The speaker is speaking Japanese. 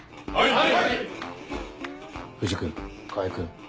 はい。